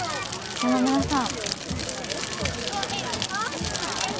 山村さん！